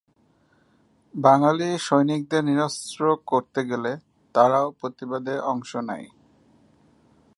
বাঙালি সৈনিকদের নিরস্ত্র করতে গেলে তারাও প্রতিবাদে অংশ নেয়।